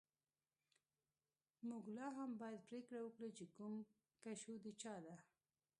موږ لاهم باید پریکړه وکړو چې کوم کشو د چا ده